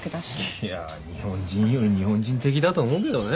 いや日本人より日本人的だと思うけどね。